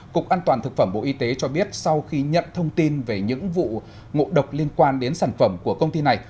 cục an toàn thực phẩm bộ y tế cho biết sau khi nhận thông tin về những vụ ngộ độc liên quan đến sản phẩm của công ty này